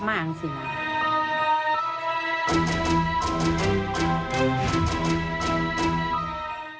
สวัสดีครับ